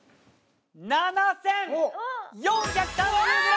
７，４３０ｇ！